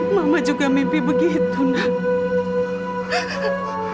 mama juga mimpi begitu nak